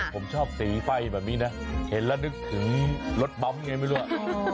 ผมชอบสีไฟแบบนี้นะเห็นแล้วนึกถึงรถบั๊มไงไม่รู้